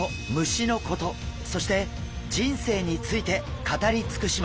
虫のことそして人生について語り尽くします。